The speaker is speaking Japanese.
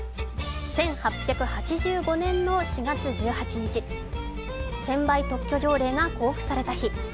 １８８５年の４月１８日、専売特許条例が公布された日。